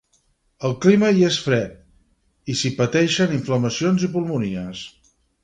El clima hi és fred, i s'hi pateixen inflamacions i pulmonies.